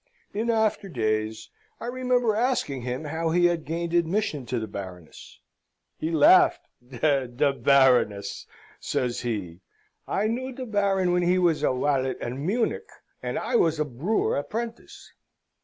In after days I remember asking him how he had gained admission to the Baroness? He laughed: "De Baroness!" says he. "I knew de Baron when he was a walet at Munich, and I was a brewer apprentice."